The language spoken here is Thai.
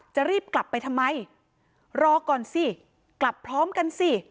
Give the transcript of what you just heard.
จะรีบกลับไปทำไมรอก่อนสิกลับพร้อมกันสิ